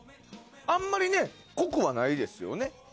あまり濃くはないですよね。